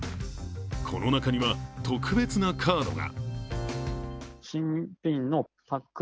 この中には、特別なカードが。